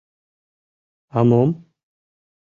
А мом?